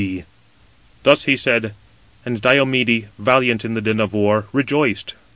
Thus he said: and Diomede, valiant in the din of war, rejoiced.